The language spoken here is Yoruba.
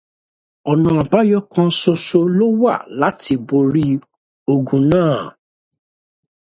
Ọ̀nà àbáyọ kan ṣoṣo ló wà láti borí ogun náà.